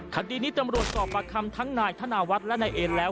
คดีนี้ตำรวจสอบประคำทั้งนายธนาวัฒน์และนายเอ็นแล้ว